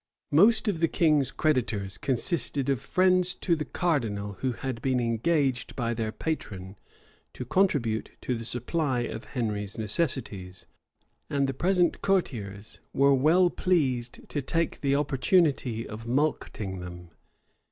Most of the king's creditors consisted of friends to the cardinal who had been engaged by their patron to contribute to the supply of Henry's necessities; and the present courtiers were well pleased to take the opportunity of mulcting them.